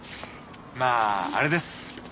まああれです。